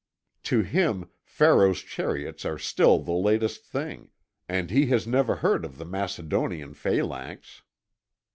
To him Pharaoh's chariots are still the latest thing, and he has never heard of the Macedonian phalanx."